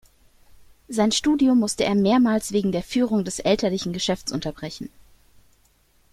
Sein Studium musste er mehrmals wegen der Führung des elterlichen Geschäftes unterbrechen.